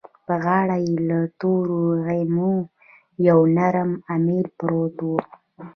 په غاړه يې له تورو غميو يو نری اميل پروت و.